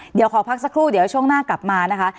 เดี๋ยวขอพักสักครู่เดี๋ยวช่วงหน้ากลับมานะคะ